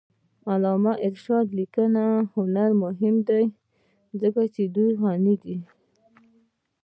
د علامه رشاد لیکنی هنر مهم دی ځکه چې غنامند دی.